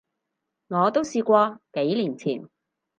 我都試過，幾年前